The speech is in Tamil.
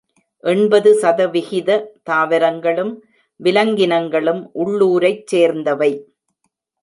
எண்பது சதவிகித தாவரங்களும் விலங்கினங்களும் உள்ளூரைச் சேர்ந்தவை.